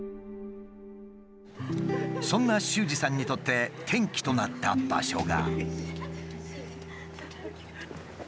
そんな秀司さんにとって転機となった場所が。